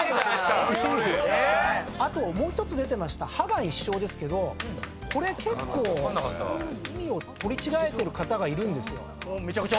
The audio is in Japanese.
あともう１つ出てました破顔一笑ですけどこれ結構意味を取り違えてる方がいるんですよ。